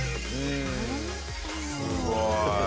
すごい。